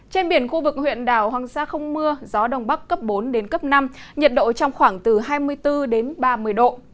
trên biển khu vực huyện đảo hoàng sa không mưa gió đông bắc cấp bốn năm nhiệt độ trong khoảng từ hai mươi bốn ba mươi độ